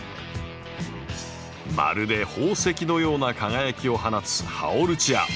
まるで宝石のような輝きを放つハオルチア。